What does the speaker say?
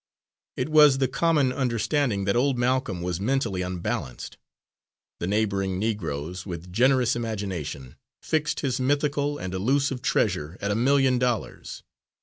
It was the common understanding that old Malcolm was mentally unbalanced. The neighbouring Negroes, with generous imagination, fixed his mythical and elusive treasure at a million dollars.